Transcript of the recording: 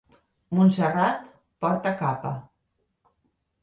Montserrat porta capa.